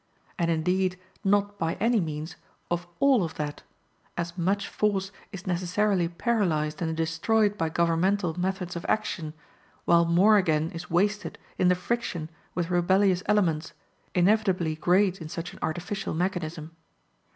And indeed not by any means of all of that, as much force is necessarily paralyzed and destroyed by governmental methods of action, while more again is wasted in the friction with rebellious elements, inevitably great in such an artificial mechanism.